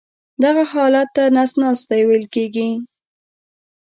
دغه حالت ته نس ناستی ویل کېږي.